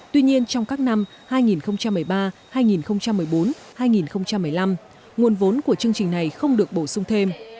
tuy nhiên trong các năm hai nghìn một mươi ba hai nghìn một mươi bốn hai nghìn một mươi năm nguồn vốn của chương trình này không được bổ sung thêm